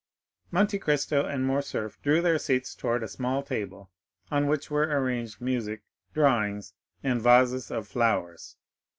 Monte Cristo and Morcerf drew their seats towards a small table, on which were arranged music, drawings, and vases of flowers.